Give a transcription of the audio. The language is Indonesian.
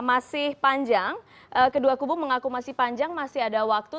masih panjang kedua kubu mengaku masih panjang masih ada waktu